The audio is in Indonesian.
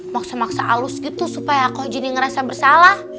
maksa maksa alus gitu supaya aku jadi ngerasa bersalah